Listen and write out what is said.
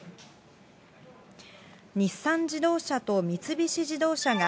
日産自動車と三菱自動車が、